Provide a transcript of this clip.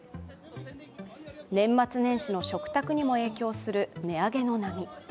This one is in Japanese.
年末年始の食卓にも影響する値上げの波。